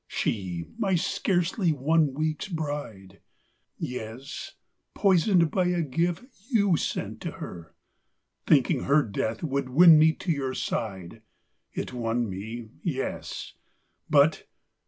She, my scarcely one week's bride Yes, poisoned by a gift you sent to her, Thinking her death would win me to your side. It won me; yes! but....